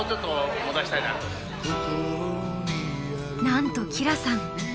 ［なんと輝さん